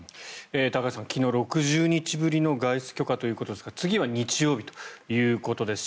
高橋さん昨日６０日ぶりの外出許可ということですが次は日曜日ということです。